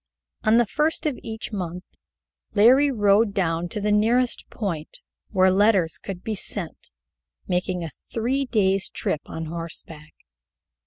On the first of each month Larry rode down to the nearest point where letters could be sent, making a three days' trip on horseback.